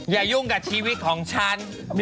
อย่ายุ่งกับชีวิตของฉัน